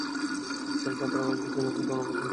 বিশাল বাতরাও একজন সৈনিক হতে অনুপ্রাণিত হয়েছিলেন।